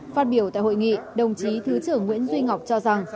phát biểu tại hội nghị đồng chí thứ trưởng nguyễn duy ngọc cho rằng